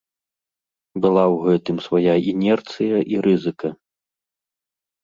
Была ў гэтым свая інерцыя і рызыка.